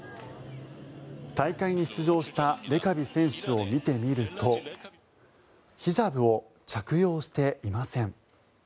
大会に出場したレカビ選手を見てみるとヒジャブを着用していません。